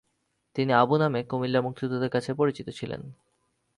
তিনি "আবু" নামে কুমিল্লার মুক্তিযোদ্ধাদের কাছে পরিচিত ছিলেন।